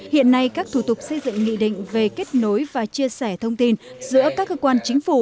hiện nay các thủ tục xây dựng nghị định về kết nối và chia sẻ thông tin giữa các cơ quan chính phủ